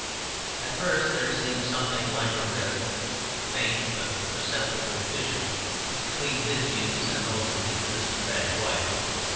At first there seemed something like a rift, a faint, but perceptible, fissure, between his views and those of his aristocratic wife.